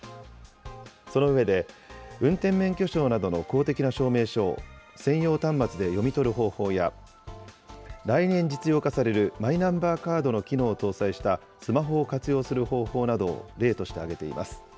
その上で、運転免許証などの公的な証明書を専用端末で読み取る方法や、来年実用化されるマイナンバーカードの機能を搭載したスマホを活用した方法などを例として挙げています。